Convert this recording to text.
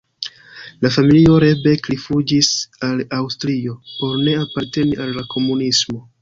La familio Rebek rifuĝis al Aŭstrio por ne aparteni al la komunismo.